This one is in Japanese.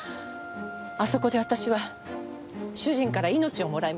あそこで私は主人から命をもらいました。